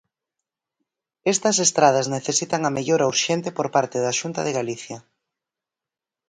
Estas estradas necesitan a mellora urxente por parte da Xunta de Galicia.